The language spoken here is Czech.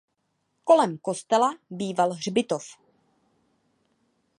Kolem kostela býval hřbitov.